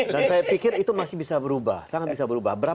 dan saya pikir itu masih bisa berubah sangat bisa berubah